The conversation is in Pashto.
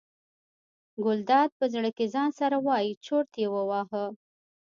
ګلداد په زړه کې ځان سره وایي چورت یې وواهه.